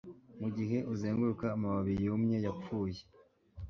mugihe uzenguruka amababi yumye, yapfuye